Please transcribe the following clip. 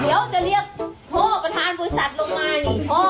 เดี๋ยวจะเรียกพ่อประธานบริษัทลงมานี่